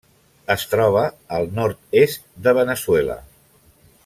Es troba al nord-est de Veneçuela.